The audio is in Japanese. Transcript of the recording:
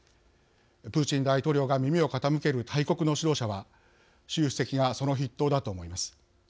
プーチン大統領が耳を傾ける大国の指導者は習主席がその筆頭だと思います。